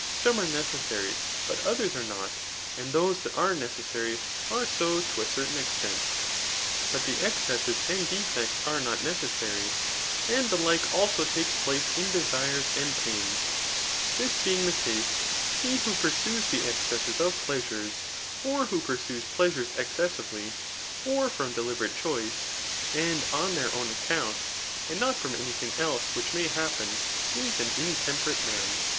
265 sjome are necesssuy, but others are not, and those that are necessary are so to a certain extent ; but the excesses and defects are not necessary ; and the like also takes place in desires and pains }— this bemg the case, he who pursues the excesses of pleasures, or who pursues plea sures excessively, or from deliberate choice, and on their own account, and not from any thing dse which may happen, is an intemperate man.